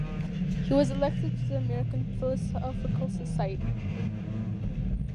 He was elected to the American Philosophical Society.